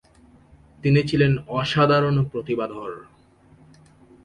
তিনি ছিলেন অসাধারণ প্রতিভাধর।